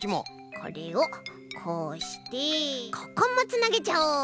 これをこうしてここもつなげちゃおう！